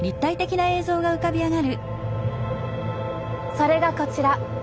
それがこちら。